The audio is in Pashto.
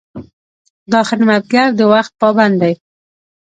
دا خدمتګر د وخت پابند دی.